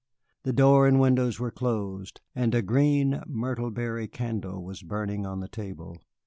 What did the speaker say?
The door and windows were closed, and a green myrtle berry candle was burning on the table.